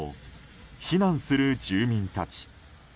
避難する住民たち。